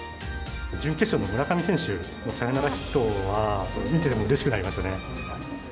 準決勝の村上選手のサヨナラヒットは、見ていてもうれしくなりましたね。